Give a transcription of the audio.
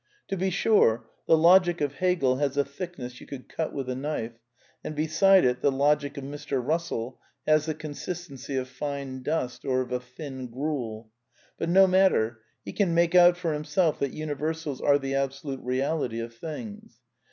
To be ^ sure, the Logic of Hegel has a thickness you could cut/ ^] with a knife, and beside it the Logic of Mr. Bussell has th^ v^^ consistency of fine dust or of a thin grueL But no matter. He can make out for himself that universals are the abso lute reality of things.